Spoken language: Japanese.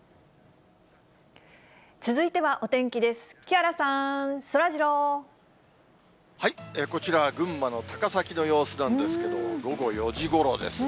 新人ＣＡは、こちらは群馬の高崎の様子なんですけど、午後４時ごろですね。